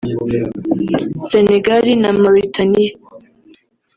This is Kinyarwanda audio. Senegali na Mauritaniya